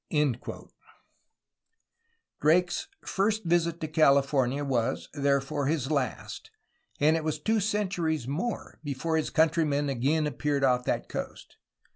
*' Drake's first visit to California was therefore his last, and it was two centuries more before his countrymen again appeared off that coast.